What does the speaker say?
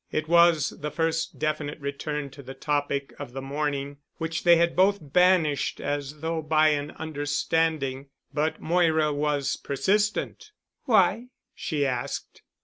It was the first definite return to the topic of the morning, which they had both banished as though by an understanding. But Moira was persistent. "Why?" she asked.